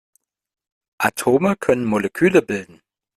Atome können Moleküle bilden.